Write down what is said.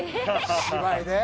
芝居で？